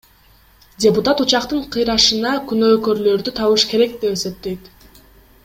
Депутат учактын кыйрашына күнөөкөрлөрдү табыш керек деп эсептейт.